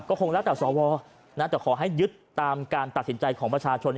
คงแล้วแต่สวนะแต่ขอให้ยึดตามการตัดสินใจของประชาชน